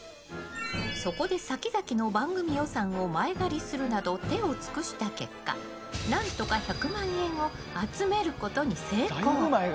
そこで、先々の番組予算を前借りするなど手を尽くした結果何とか１００万円を集めることに成功。